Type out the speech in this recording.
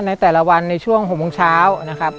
ในแต่ละวันในช่วง๖โมงเช้านะครับ